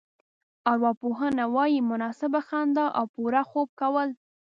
ارواپوهنه وايي مناسبه خندا او پوره خوب کول.